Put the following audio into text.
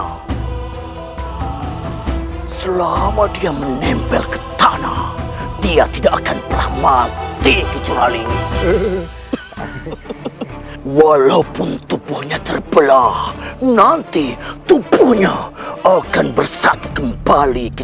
oh siliwangi mengeluarkan jurus prata sukma